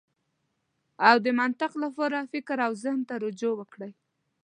او د منطق لپاره فکر او زهن ته رجوع وکړئ.